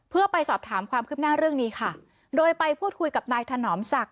เพื่อไปสอบถามความคืบหน้าเรื่องนี้ค่ะโดยไปพูดคุยกับนายถนอมศักดิ